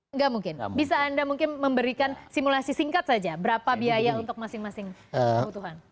enggak mungkin bisa anda mungkin memberikan simulasi singkat saja berapa biaya untuk masing masing kebutuhan